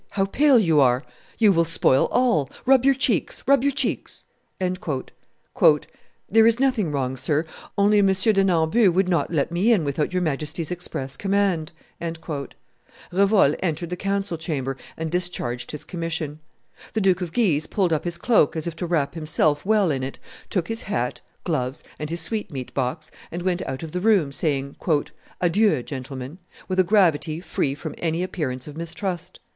How pale you are! You will spoil all. Rub your cheeks; rub your cheeks." "There is nothing wrong, sir: only M. de Nambu would not let me in without your Majesty's express command." Revol entered the council chamber and discharged his commission. The Duke of Guise pulled up his cloak as if to wrap himself well in it, took his hat, gloves, and his sweetmeat box, and went out of the room, saying, "Adieu, gentlemen," with a gravity free from any appearance of mistrust.